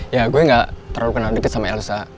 ya gue gak terlalu kenal deket sama elsa